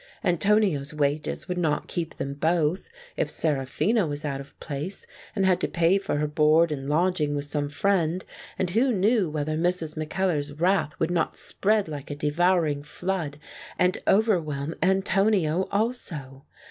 Antonio's wages would not keep them both, if Seraphina was out of place, and had to pay for her board and lodging with some friend, and who knew whether Mrs. Mackellar's wrath would not spread like a devouring flood, and overwhelm Antonio also?